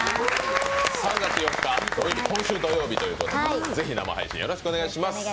今週土曜日ということでぜひ生配信、よろしくお願いします